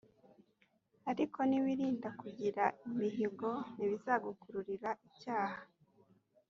ariko niwirinda kugira imihigo, ntibizagukururira icyaha.